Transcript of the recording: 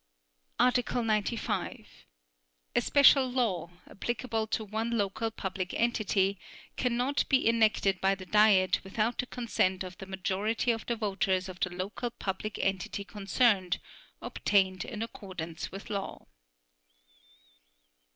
Article 95. A special law, applicable to one local public entity, cannot be enacted by the Diet without the consent of the majority of the voters of the local public entity concerned, obtained in accordance with law.